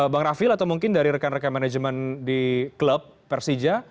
bang rafil atau mungkin dari rekan rekan manajemen di klub persija